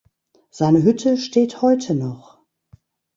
Seine Hütte steht heute noch.